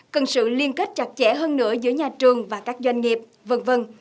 cần sự liên kết chặt chẽ hơn nữa giữa nhà trường và các doanh nghiệp v v